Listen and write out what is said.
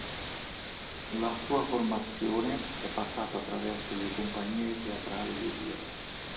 La sua formazione è passata attraverso due compagnie teatrali di Rio.